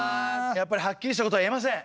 やっぱりはっきりしたことは言えません。